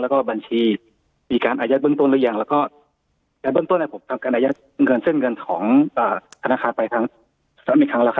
แล้วก็บัญชีมีการอายัดเบื้องต้นหรือยังแล้วก็ในเบื้องต้นผมทำการอายัดเงินเส้นเงินของธนาคารไปทั้งซ้ำอีกครั้งแล้วครับ